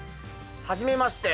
「はじめまして」。